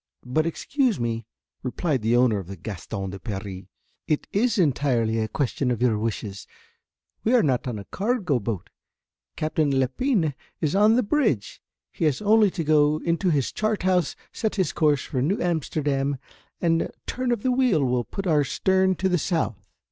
"But, excuse me," replied the owner of the Gaston de Paris, "it is entirely a question of your wishes. We are not a cargo boat, Captain Lepine is on the bridge, he has only to go into his chart house, set his course for New Amsterdam, and a turn of the wheel will put our stern to the south."